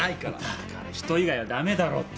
だから人以外はだめだろって。